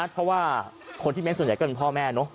เพราะว่าคนที่เม้นต์ส่วนใหญ่ก็เป็นพ่อแม่เนอะ